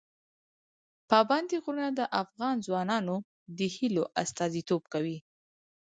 پابندي غرونه د افغان ځوانانو د هیلو استازیتوب کوي.